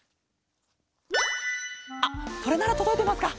あっそれならとどいてますか？